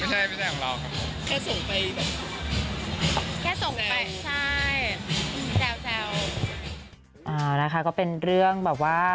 ไม่ใช่ไม่ใช่ของเรา